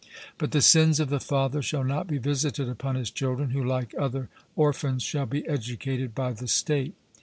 But the sins of the father shall not be visited upon his children, who, like other orphans, shall be educated by the state.